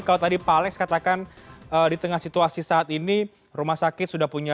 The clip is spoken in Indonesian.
kalau tadi pak alex katakan di tengah situasi saat ini rumah sakit sudah punya